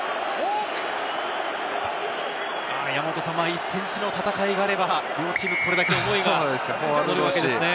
１ｃｍの戦いがあれば、両チームこれだけ思いが乗るわけですね。